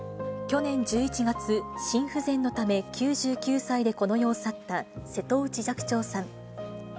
去年１１月、心不全のため９９歳でこの世を去った瀬戸内寂聴さん。